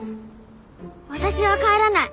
私は帰らない。